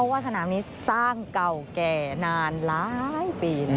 ว่าสนามนี้สร้างเก่าแก่นานหลายปี